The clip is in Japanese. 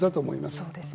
そうですね。